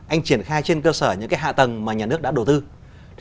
anh triển khai trên cơ sở những cái hạ tầng mà nhà nước đã đầu tư